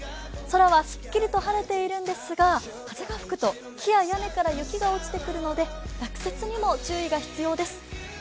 空はすっきりと晴れているんですが風が吹くと木や屋根から雪が落ちてくるので落雪にも注意が必要です。